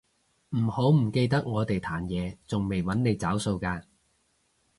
唔好唔記得我哋壇野仲未搵你找數㗎